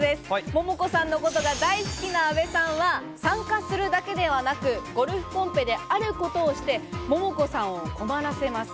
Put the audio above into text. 桃子さんのことが大好きな阿部さんは参加するだけではなく、ゴルフコンペであることをして桃子さんを困らせます。